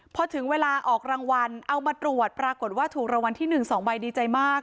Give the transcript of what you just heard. พอถึงเวลาออกรางวัลเอามาตรวจปรากฏว่าถูกรางวัลที่๑๒ใบดีใจมาก